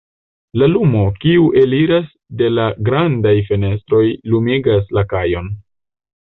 La lumo, kiu eliras de la grandaj fenestroj lumigas la kajon.